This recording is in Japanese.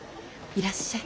いらっしゃい。